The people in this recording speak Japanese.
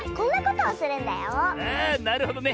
あなるほどね。